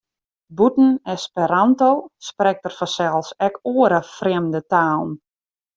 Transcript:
Bûten Esperanto sprekt er fansels ek oare frjemde talen.